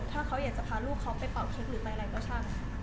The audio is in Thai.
ถ้าเขาอยากจะพาลูกเขาไปเป่าเช็คหรือไปอะไรก็ช่าง